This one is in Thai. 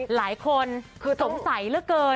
หลายคนสงสัยเยอะเกิน